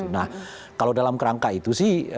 nah kalau dalam kerangka itu sih